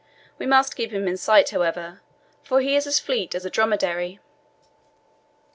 We must keep him in sight, however, for he is as fleet as a dromedary."